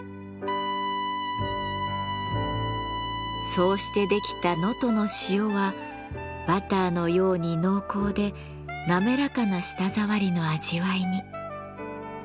そうしてできた能登の塩はバターのように濃厚で滑らかな舌触りの味わいに。